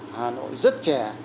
hà nội rất trẻ